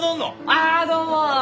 ああどうも！